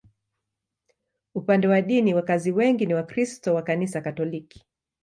Upande wa dini, wakazi wengi ni Wakristo wa Kanisa Katoliki.